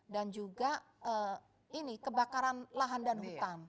dan juga ini kebakaran lahan dan hutan